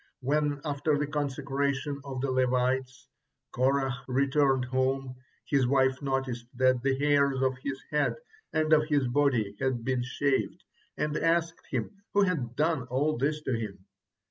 When, after the consecration of the Levites, Korah returned home, his wife noticed that the hairs of his head and of his body had been shaved, and asked him who had done all this to him.